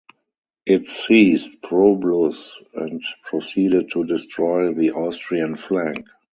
It seized Probluz, and proceeded to destroy the Austrian flank.